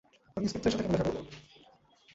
আমি ইন্সপেক্টরের সাথে কেন দেখা করবো?